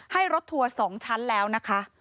รถทัวร์๒ชั้นแล้วนะคะ